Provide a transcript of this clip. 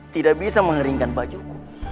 tidak bisa mengeringkan bajuku